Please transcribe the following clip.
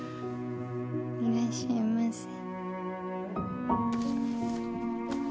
いらっしゃいませ。